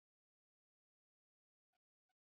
Mapambo hayo ndio yanaongeza hadhi ya Daraja hilo